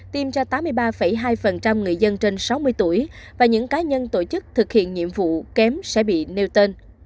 tiêm ra tám mươi ba hai người dân trên sáu mươi tuổi và những cá nhân tổ chức thực hiện nhiệm vụ kém sẽ bị nêu tên